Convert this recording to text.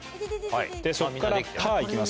でそっからパーいきます